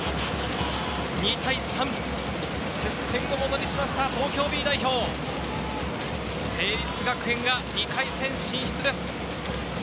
２対３、接戦をものにしました東京Ｂ代表、成立学園が２回戦進出です。